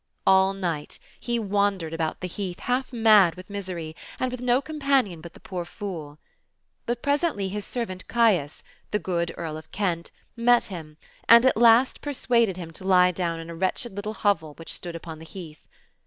All night he wandered about the heath half mad with misery, and with no companion but the poor Fool. But presently his servant Caius, the good Earl of Kent, met him, and at last persuaded him to lie down in a wretched little hovel which stood upon the heath.